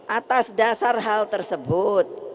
atas dasar hal tersebut